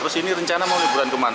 terus ini rencana mau liburan kemana